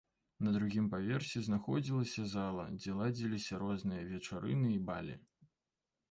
На другім паверсе знаходзілася зала, дзе ладзіліся розныя вечарыны і балі.